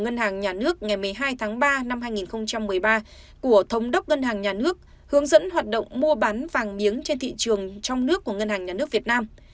ngân hàng nhà nước ngày một mươi hai tháng ba năm hai nghìn một mươi ba của thống đốc ngân hàng nhà nước hướng dẫn hoạt động mua bán vàng miếng trên thị trường trong nước của ngân hàng nhà nước việt nam